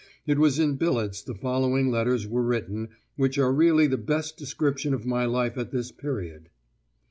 It was in billets the following letters were written, which are really the best description of my life at this period.